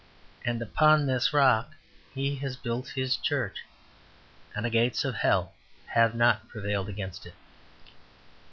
And upon this rock He has built His Church, and the gates of Hell have not prevailed against it.